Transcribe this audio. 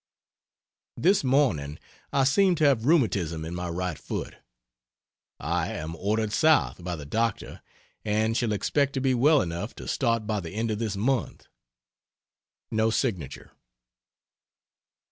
This morning I seem to have rheumatism in my right foot. I am ordered south by the doctor and shall expect to be well enough to start by the end of this month. [No signature.